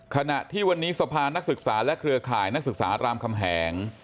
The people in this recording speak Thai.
ขณะที่วันนี้สภานักศึกษาและเครือข่ายนักศึกษารามคำแหง